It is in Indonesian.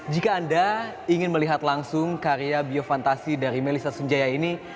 jika anda ingin melihat langsung karya bio fantasi dari melisa sejaya ini